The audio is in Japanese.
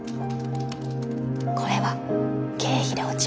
これは経費で落ちます。